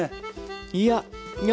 いやいや！